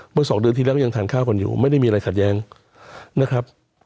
เมื่อสองเดือนที่แล้วก็ยังทานข้าวกันอยู่ไม่ได้มีอะไรขัดแย้งนะครับ